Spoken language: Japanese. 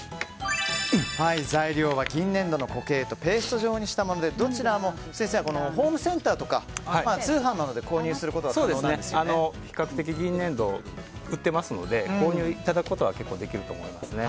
材料は銀粘土の固形とペースト状にしたものでどちらもホームセンターとか通販などで購入することが比較的銀粘土売っていますので購入いただくことは結構できるかと思います。